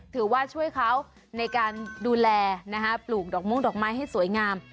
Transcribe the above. ถือว่าช่วยเขาในการดูแลปลูกดอกม่วงดอกไม้ให้สวยงาม